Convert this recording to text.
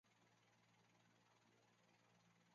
他是皇帝康拉德二世的父亲。